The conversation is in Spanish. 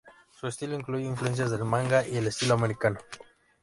Su estilo incluye influencias del manga y el estilo americano.